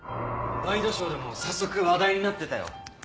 ワイドショーでも早速話題になってたよ。